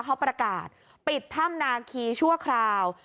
เขาประกาศปิดถ้ำนาคีชั่วคราว